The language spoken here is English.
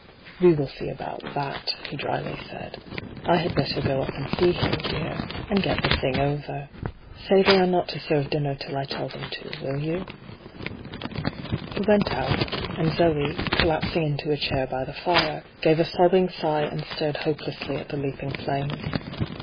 ' We will see about that,' he dryly said. ' I had better go up and see him, dear, and get the thing over. Say they are not to serve dinner till I tell them to, will you V He went out, and Zee, collapsing into a chair by the fire, gave a sobbing sigh and stared hopelessly at the leaping flames.